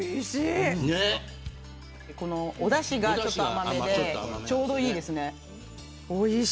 おだしが、ちょっと甘めでちょうどいいです。